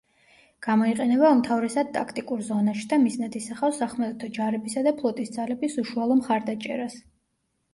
გამოიყენება უმთავრესად ტაქტიკურ ზონაში და მიზნად ისახავს სახმელეთო ჯარებისა და ფლოტის ძალების უშუალო მხარდაჭერას.